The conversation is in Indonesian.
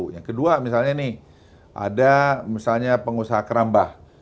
yang kedua misalnya nih ada misalnya pengusaha kerambah